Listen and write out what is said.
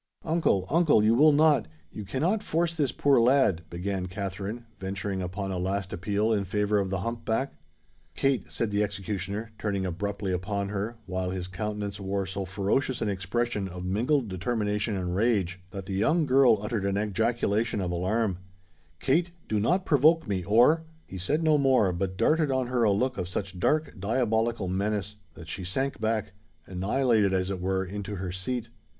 "Uncle—uncle, you will not—you cannot force this poor lad—" began Katherine, venturing upon a last appeal in favour of the hump back. "Kate," said the executioner, turning abruptly upon her, while his countenance wore so ferocious an expression of mingled determination and rage, that the young girl uttered an ejaculation of alarm,—"Kate, do not provoke me; or——" He said no more, but darted on her a look of such dark, diabolical menace, that she sank back, annihilated as it were, into her seat.